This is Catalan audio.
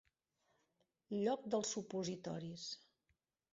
Lloc dels supositoris.